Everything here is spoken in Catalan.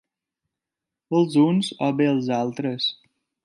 Els uns o bé els altres.